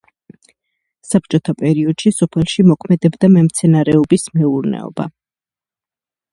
საბჭოთა პერიოდში სოფელში მოქმედებდა მემცენარეობის მეურნეობა.